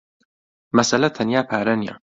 مەسەلە تەنیا پارە نییە.